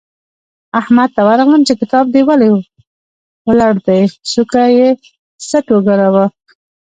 احمد ته ورغلم چې کتاب دې ولې وړل دی؛ سوکه یې څټ وګاراوو.